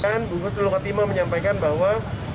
kan bukus dulu kotima menyampaikan bahwa